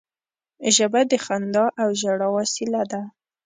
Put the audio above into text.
ژبه د خندا او ژړا وسیله ده